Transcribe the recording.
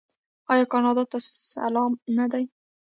آیا کاناډا ته سلام نه دی؟